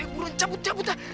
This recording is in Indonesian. ayolah cabut cabut lah